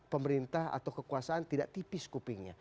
pemerintah atau kekuasaan tidak tipis kupingnya